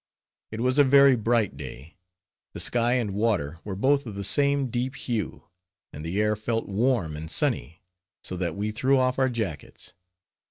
It was a very bright day. The sky and water were both of the same deep hue; and the air felt warm and sunny; so that we threw off our jackets.